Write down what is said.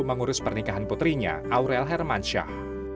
mengurus pernikahan putrinya aurel hermansyah